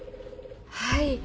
はい。